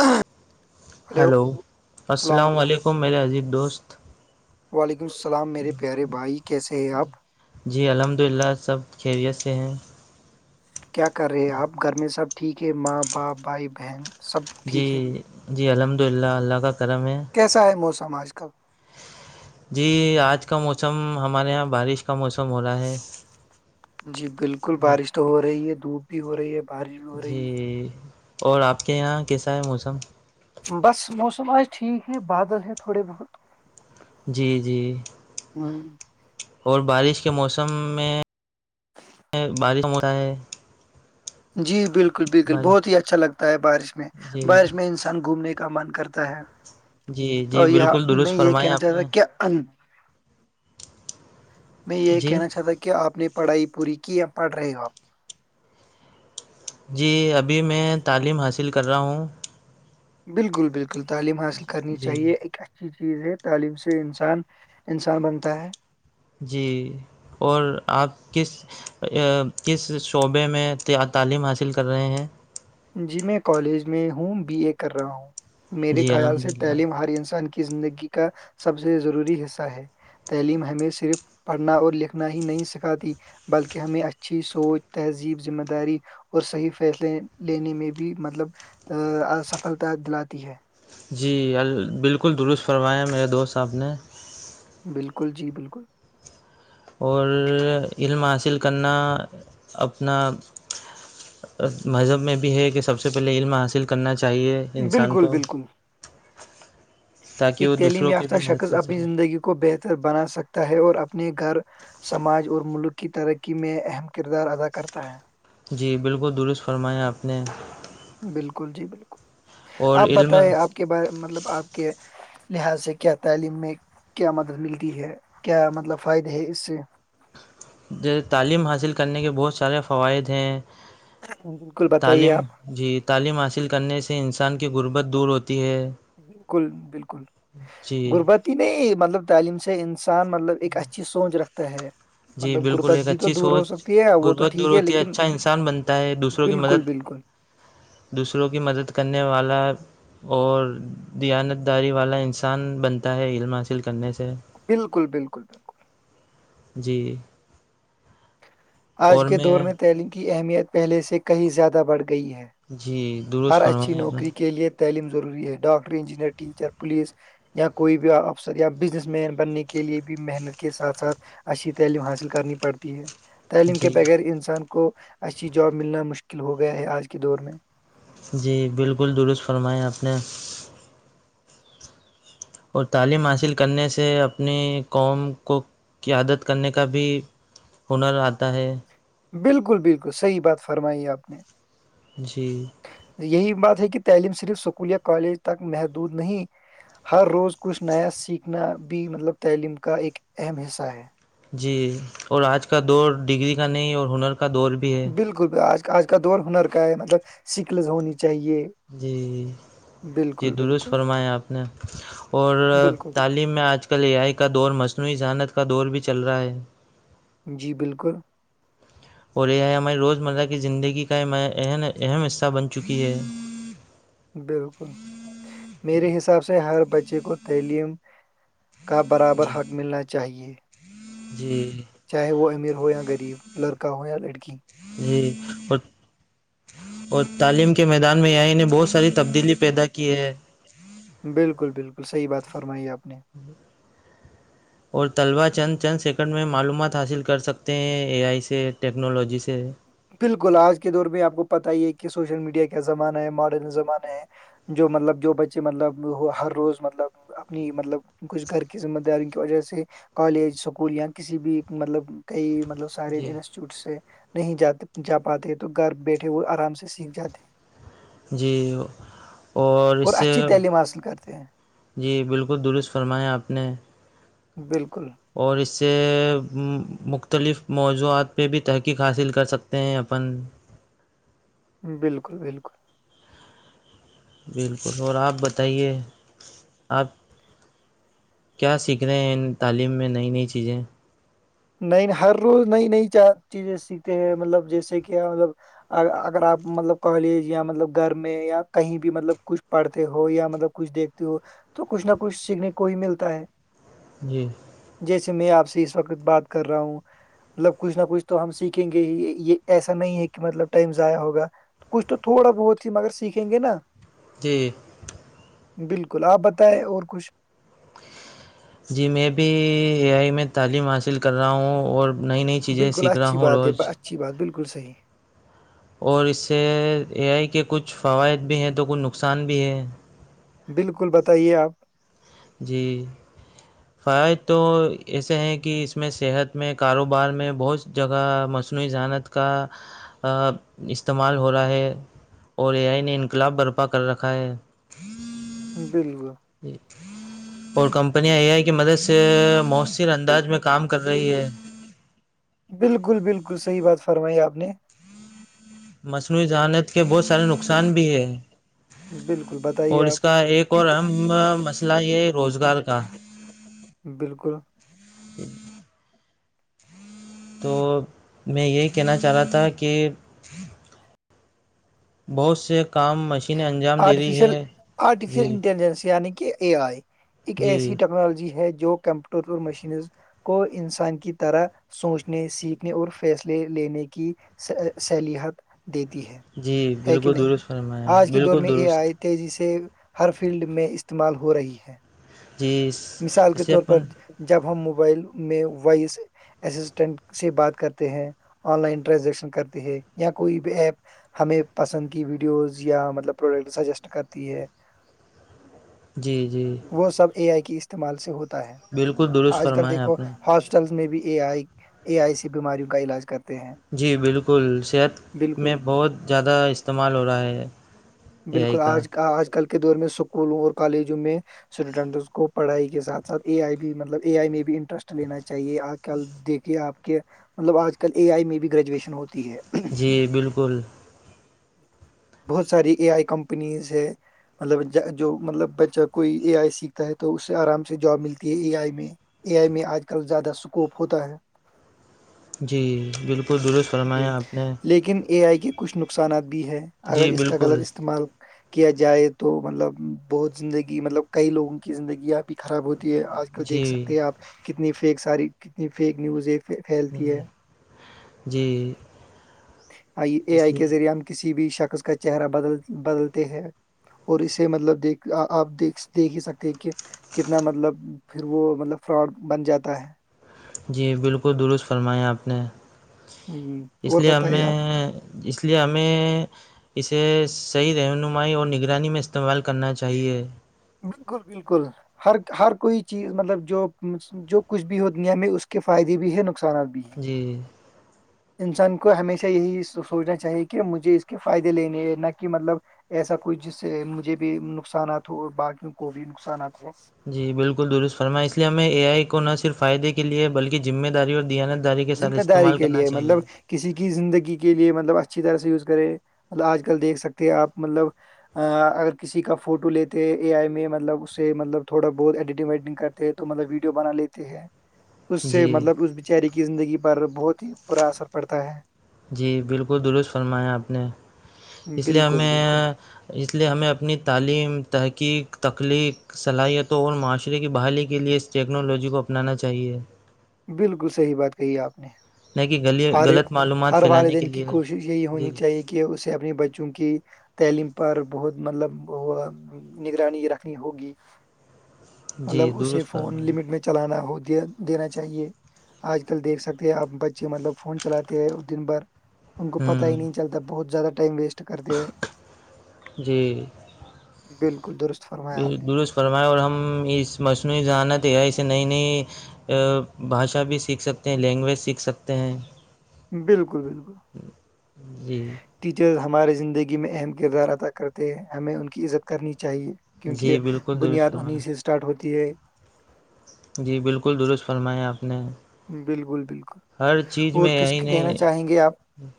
ہاں ہیلو السلام علیکم میرے عزیب دوست وعلیکم السلام میرے پیارے بھائی کیسے ہے آپ جی الحمد للہ سب خیریت سے ہیں کیا کر رہے آپ گھر میں سب ٹھیک ہے ماں باپ بھائی بہن سب جی ٹھیک ہے جی الحمد للہ اللہ کا کرم ہے کیسا ہے موسم آج کل جی آج کا موسم ہمارے یہاں بارش کا موسم ہو رہا ہے جی بالکل جی بارش تو ہو رہی ہے دھوپ بھی ہو رہی ہے بارش بھی ہو رہی جی اور آپ کے یہاں کیسا ہے موسم بس موسم آج ٹھیک ہے بادل ہے تھوڑے بہت جی جی ہوں اور بارش کے موسم میں بارش ہوتا ہے جی بالکل بالکل بارش بہت ہی اچھا لگتا ہے بارش میں جی بارش میں انسان گھومنے کا من کرتا ہے جی جی تو یہاں بالکل میں درست یہ فرمائیں کہنا آپ چاہتا نے کہ میں یہی جی کہنا چاہتا تھا کہ آپ نے پڑھائی پوری کی یا پڑھ رہے ہو آپ جی ابھی میں تعلیم حاصل کر رہا ہوں بالکل بالکل تعلیم حاصل کرنی جی چاہیے اچھی چیز ہے تعلیم سے انسان انسان بنتا ہے جی اور آپ کس کس شعبے میں تعلیم حاصل کر رہے ہیں جی میں کالج میں ہوں بی اے کر رہا ہوں میرے جی خیال الحمد سے للہ تعلیم ہر انسان زندگی کا سب سے ضروری حصہ ہے تعلیم ہمیں صرف پڑھنا اور لکھنا ہی نہیں سکھاتی بلکہ ہمیں اچھی سوچ تہذیب ذمہ داری اور صحیح فیصلے لینے میں بھی مطلب سفلتا دلاتی ہے جی بالکل درست فرمایا میرے دوست صاحب نے بالکل جی بالکل اور علم حاصل کرنا اپنا مذہب میں بھی ہے کہ سب سے پہلے علم حاصل کرنا چاہیے انسان بالکل کو بالکل تاکہ ایک وہ تعلیم دوسروں کی بھی یافتہ مدد شخص کر اپنی سکے زندگی کو بہتر بنا سکتا ہے اور اپنے گھر سماج اور ملک کی ترقی میں اہم کردار ادا کرتا ہے جی بالکل درست فرمایا آپ نے بالکل جی بالکل اور آپ علم بتائے آپ کے بارے مطلب آپ کے لحظ سے کیا تعلیم میں کیا مدد ملتی ہے کیا مطلب فائدے ہے اس سے جی تعلیم حاصل کرنے کے بہت سارے فوائد ہیں بالکل بتائیے تعلیم آپ جی تعلیم حاصل کرنے سے انسان کی غربت دور ہوتی ہے بالکل بالکل جی گربت کہ نہیں مطلب تعلیم سے انسان مطلب ایک اچھی سوچ رکھتا ہے جی مطلب بالکل غربت ایک بھی تو اچھی دور ہو سوچ سکتی ہے وہ تو غربت دور ٹھیک ہوتی ہے لیکن اچھا انسان بنتا ہے دوسروں کی بالکل مدد بالکل دوسروں کی مدد کرنے والا اور دیانت داری والا انسان بنتا ہے علم حاصل کرنے سے بالکل بالکل بکل جی آج کے دور میں تعلیم کی اہمیت پہلے سے کہیں زیادہ بڑھ گئی ہے جی ہر درست اچھی فرمائیں آپ نے نوکری کے لیے تعلیم ضروری ہے ڈاکٹر انجینئر ٹیچر پولیس یا کوئی بھی افسر یا بزنس مین بننے کے لیے بھی محنت کے ساتھ ساتھ اچھی تعلیم حاصل کرنی پڑتی ہے تعلیم کے جی بغیر انسان کو اچھی جاب ملنا مشکل ہو گیا ہے آج کے دور میں جی بالکل درست فرمائے آپ نے اور تعلیم حاصل کرنے سے اپنی قوم کو قیاادت کرنے کا بھی ہنر آتا ہے بالکل بالکل صحیح بات فرمائی آپ نے جی یہی بات ہے کہ تعلیم صرف اسکول یا کالج تک محدود نہیں ہر روز کچھ نیا سیکھنا بھی مطلب تعلیم کا ایک اہم حصہ ہے جی اور آج کا دور ڈگری کا نہیں اور ہنر کا دور بھی ہے بالکل آج آج کا دور ہنر کا ہے مطلب سکلز ہونی چاہیے جی جی جی بالکل درست بالکل فرمائے آپ نے اور بالکل تعلیم میں آج کل آج کل ایائی کا دور مصنوعی ذہانت کا دور بھی چل رہا ہے جی بالکل اور یہ ہے ہماریے روزمرہ کی زندگی کا اہ اہم حصہ بن چکی ہے بالکل میرے حساب سے ہر بچے کو تعلیم کا برابر جی حق ملنا چاہیے جی [inaudible] چاہے وہ امیر ہو یا غریب لڑکا ہو یا لڑکی جی پر [inaudible] اور تعلیم کے میدان میں یہاں نے بہت ساری تبدیلی پیدا کی ہے بالکل بالکل صحیح بات فرمائی آپ نے اور طلبا چند چند سیکنڈ میں معلومات حاصل کر سکتے ہیں اے آئی سے ٹیکنالوجی سے بالکل آج کے دور میں آپ کو پت ہی ہے کہ سوشل میڈیا کیا زمانہ ہے ماڈرن زمانہ ہے جو مطلب جو بچے مطلب وہ ہر روز مطلب اپنی مطلب کچھ گھر کی ذمہ داری کی وجہ سے کالج اسکول یا کسی بھی مطلب کئی ملب سارے جی انسٹیٹیوٹ سے نہیں جات جا پاتے تو گھر بیٹھے وہ آرام سے سیکھ جاتے جی اور اس سے اچھی تعلیم حاصل کرتے ہیں جی بالکل درست فرمایا آپ نے بالکل اور اس سے مختلف موضوعات پہ بھی تحقیق حاصل کر سکتے ہیں اپن بالکل بالکل بالکل اور آپ بتائیے آپ کیا سیکھ رہے ہیں ان تعلیم میں نئی نئی چیزیں ن ہر روز نئی نئی چیزیں سیکھتے ہیں مطلب جیسے کہ مطلب اگر آپ مطلب کالج یا مطلب گھر میں یا کہیں بھی مطلب کچھ پڑھتے ہو یا مطلب کچھ دیکھتے ہو تو کچھ نہ کچھ سیکھنے کو ہی ملتا ہے جی جیسے میں آپ سے اس وقت بات کر رہا ہوں مطلب کچھ نہ کچھ تو ہم سیکھیں گے ہی یہ ایسا نہیں ہے کہ مطلب ٹائم ضائع ہوگا کچھ تو تھوڑا بہت ہی مگر سیکھیں گے نا جی بالکل آپ بتائیں اور کچھ جی میں بھی اے آئی میں تعلیم حاصل کر رہا ہوں اور نئی نئی چیزیں بالکل سیکھ رہا اچھی ہوں بات ہے ب- روز اچھی بات بالکلحیح اور اس سے اے آئی کے کچھ فوائد بھی ہیں تو کچھ نقصان بھی ہے بالکل بتائیے آپ جی فوائد تو ایسے ہیں کہ اس میں صحت میں کاروبار میں بہت جگہ مصنوعی ذہانت کا استعمال ہو رہا ہے اور اے آئی نے انقلاب برپا کر رکھا ہے بل گو جی اور کمپنیاں اے آئی کی مدد سے مؤثر انداز میں کام کر رہی ہے بالکل بالکل صحیح بات فرمائی آپ نے مصنوعی ذہانت کے بہت سارے نقصان بھی ہیں بالکل اور بتائیے آپ اس کا ایک اور اہم مسئلہ یہ روزگار کا بالکل تو میں یہی کہنا چاہ رہا تھا کہ بہت سے کام مش آرٹیفیشل آرٹیفیشل جی انٹیلیجنس یعنی کہ اے آئی ایک ایسی جی ٹیکنالوجی ہے جو کمپیوٹر اور مشینز کو انسان کی طرح سوچنے سیکھنے اور فیصلے لینے کی سلاحت دیتی ہے جی ہے کہ بالکل نہیں درست فرمایا آج کے دور بالکل میں اے درست آئی تیزی سے ہر فیلڈ میں استعمال ہو رہی ہے جیس مثال کے طور پر جب ہم موبائل میں وائس اسسٹینٹ سے بات کرتے ہیں آن لائن ٹرانزیکشن کرتے ہیں یا کوئی بھی ایپ ہمیں پسند کی ویڈیوز یا مطلب پروڈکٹ سجیسٹ کرتی ہے جی جی وہ سب اے آئی کے استعمال سے ہوتا ہے بالکل درست آج کل فرمایا دیکھو آپ نے ہاسٹ ٹل میں بھی اے آئی اے آئی سی بیماریوں کا علاج کرتے ہیں جی بالکل صحت بالکل میں بہت زیادہ استعمال ہو رہا ہے اے آئی بالکل کا آج آج کل کے دور میں اسکولوں اور کالجوں میں اسٹوڈنٹ کو پڑھائی کے ساتھ ساتھ اے آئی بھی مطلب اے آئی میں بھی انٹرسٹ لینا چاہیے آ کل دیکھیے آپ کے مطلب آج کل اے آئی میں بھی گریجویشن ہوتی ہے جی بالکل بہت ساری اے آئی کمپنیز ہے مطلب جو مطلب بچہ کوئی اے آئی سیکھتا ہے تو اس سے آرام سے جاب ملتی ہے اے آئی میں اے آئی میں آج کل زیادہ سکوپ ہوتا ہے جی بالکل درز جی فرمایا آپ نے لیکن اے آئی کے کچھ نقصانات بھی ہے اگر جی اس کا غلط بالکل اس استعمال کیا جائے تو مطلب بہت زندگی مطلب کئی لوگوں کی زندگی خراب ہوتی ہے آج کل جی دیکھ سکتے ہیں آپ کتنی فیک ساری کتنی فیک نیوز ایک پھیلتی ہے جی آئی اے اس آئی لیے کے ذریعہ ہم کسی بھی شخص کا چہرہ بدل بدلتے ہیں اور اسے مطلب دیکھ آپ دیک دیکھ ہی سکتے ہیں کہ کتنا مطلب پھر وہ مطلب فراڈ بن جاتا ہے جی بالکل درست فرمایا آپ نے ہ اس اور لیے اب بتائیے میں آپ اس لیے ہمیں اسے صحیح رہنمائی اور نگرانی میں استعمال کرنا چاہیے بالکل بالکل ہر ہر کوئی چیز مطلب جو جو کچھ بھی ہو دنیا میں اس کے فائدے بھی ہے نقصانات بھی ہیں جی انسان کو ہمیشہ یہی سوچنا چاہیے کہ مجھے اس کے فائدے لینے ہے نہ کہ مطلب ایسا کوئی جس سے مجھے بھی نقصانات ہو اور باقیوں کو بھی نقصانات ہو جی بالکل درست فرما اس لیے ہمیں اے آئی کو نہ صر فائدے کے لیے بلکہ ذمہ داری اور دیانت داری کے ساتھ ذمہ داری استعمال کے کرنا لیے چاہیے مطلب کسی کی زندگی کے لیے مطلب اچھی طرح سے یوز کرے مطلب آج کل دیکھ سکتے ہیں آپ مطلب اگر کسی کا فوٹو لیتے اے آئی میں مطلب اس سے مطلب تھوڑا بہت ایڈیٹنگ ویڈیٹنگ کرتے تو مطلب ویڈیو بنا لیتے ہیں ج [unintelligible] اس سے مطلب اس بیچاری کی زندگی پر بہت ہی برا اثر پڑتا ہے جی بالکل درست فرمایا آپ نے اس لیے بالکل بالکل ہمیں اس لیے ہمیں اپنی تعلیم تحقیق تخلیق صلاحیتوں اور معاشرے کی بحالی کے لیے اس ٹیکنالوجی کو اپنانا چاہیے بالکل صحیح بات کہی آپ نے نہیں کہ گلی غلط معلومات ہر پھیلانے کے والدین کی لیے کوشش یہی ہونی جی چاہیے کہ کہ اسے اپنے بچوں کی تعلیم پر بہت مطلب وہ نگرانی رکھنی ہوگی [inaudible] [inaudible] مطلب اسے درست فون فرمایا لمٹ میں چ چلانا ہو دینا چاہیے آج کل دیکھ سکتے ہیں آپ ب مطلب فون چلاتے ہیں دن بھر ان کو پتا ہی ہوں نہیں چلتا بہت زیادہ ٹائم ویسٹ کر جی بالکل دست درست فرمائےیں اور ہم اس مصنوعی ذہانت ہے اسے نئی نئی بھاشا بھی سیکھ سکتے ہیں لینگویج سیکھ سکتے ہیں بالکل بالکل جی ٹیچرز ہمارے زندگی میں اہم کردار ادا کرتے ہیں ہمیں ان کی عزت کرنی چاہیے کیونکہ جی بالکل درست بنیاد انہیں فرمائیں سے اسٹارٹ ہوتی ہے جی بالکل درست فرمایا آپ نے بالکل بالکل ہر اور کس کہنا چاہیں گے آپ ہوں [unintelligible]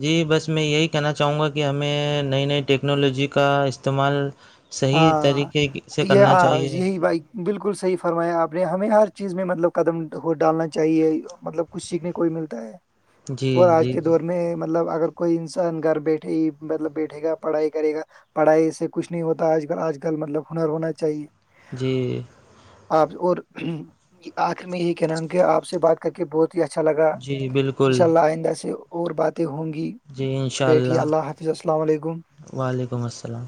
جی بس میں یہی کہنا چاہوں گا کہ ہمیں نئی نئی ٹیکنالوجی کا استعمال صحیح ہاں طریقے سے یہ کرنا ہاں، چاہیے یہی بھائی بالکل صحیح فرمایا آپ نے ہمیں ہر چیز میں مطلب قدم ہو ڈالنا چاہیے مطلب کچھ سیکھنے کو بھی ملتا ہے جی اور آج جی کے جی دور میں مطلب اگر کوئی انسان گھر بیٹھے ہی مطلب بیٹھے گا پڑھائی کرے گا پڑھائی سے کچھ نہیں ہوتا اج کل اجل ملب ہنر ہونا چاہیے جی آپ اور آخر میں یہی کہنا ہوں کہ آپ سے بات کر کے بہت اچھا لگا جی ان بالکل شاء اللہ آئندہ سے اور باتیں ہوں گی جی ان شاء بیٹھی اللہ حافظ السلام علیکم وعلیکم السلام